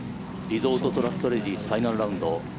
リゾートトラストレディスファイナルラウンド。